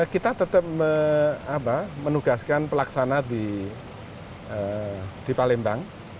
kita tetap menugaskan pelaksana di palembang